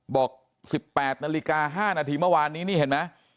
บอก๑๘นาฬิกา๕นาทีเมื่อวานนี้นี่เห็นไหม